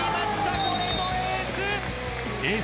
これぞエース。